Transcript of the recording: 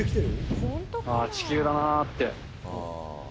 地球だなって。